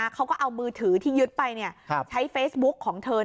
เขาก็เอามือถือที่ยึดไปใช้เฟซบุ๊กของเธอ